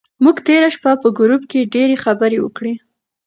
موږ تېره شپه په ګروپ کې ډېرې خبرې وکړې.